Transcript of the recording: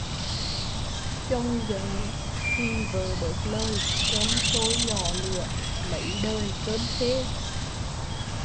Chồng giận thì vợ bớt lời, cơm sôi nhỏ lửa, mấy đời cơm khê